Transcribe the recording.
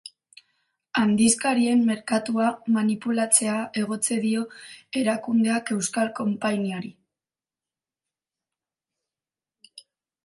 Handizkarien merkatua manipulatzea egotzi dio erakundeak euskal konpainiari.